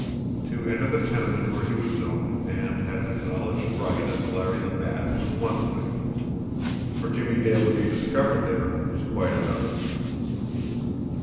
To enter the tenement where he was known and had an acknowledged right as Larry the Bat was one thing; for Jimmie Dale to be discovered there was quite another.